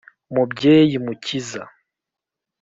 mubyeyi mukiza